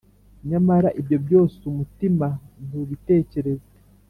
Nyamara ibyo byose, umutima ntubitekereza,